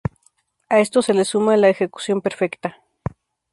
A esto se le suma la ejecución perfecta.